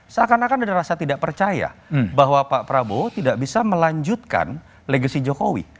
seakan akan ada rasa tidak percaya bahwa pak prabowo tidak bisa melanjutkan legasi jokowi